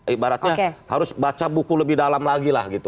ibaratnya harus baca buku lebih dalam lagi